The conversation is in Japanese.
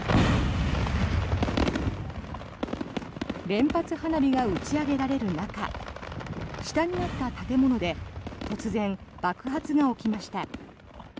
連発花火が打ち上げられる中下にあった建物で突然、爆発が起きました。